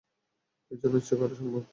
কিছু নিশ্চয় করা সম্ভব।